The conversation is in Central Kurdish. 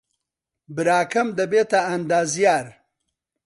براکەم دەبێتە ئەندازیار.